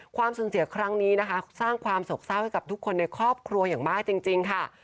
ความสูญเสียครั้งนี้นะคะสร้างความโศกเศร้าให้กับทุกคนในครอบครัวอย่างมากจริงค่ะ